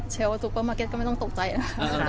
ว่าซูเปอร์มาร์เก็ตก็ไม่ต้องตกใจนะ